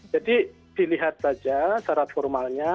jadi dilihat saja syarat formalnya